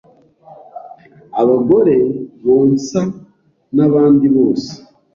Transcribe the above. abagore bonsa n’abandi bose